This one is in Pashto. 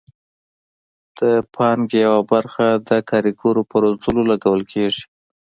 د پانګې یوه برخه د کارګرو په روزلو لګول کیږي.